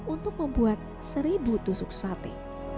untuk membuat seribu tusuk sate